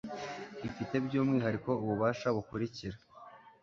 ifite byumwihariko ububasha bukurikira